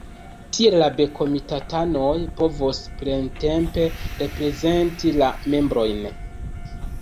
Tiel la B-komitatanoj povos plentempe reprezenti la membrojn.